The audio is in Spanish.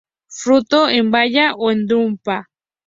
Fruto en baya o en drupa.